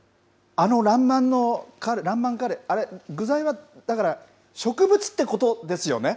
あのらんまんカレー、具材は、だから植物ってことですよね？